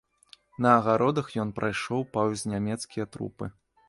На агародах ён прайшоў паўз нямецкія трупы.